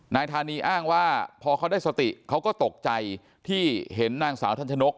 นายธานีอ้างว่าพอเขาได้สติเขาก็ตกใจที่เห็นนางสาวทันชนก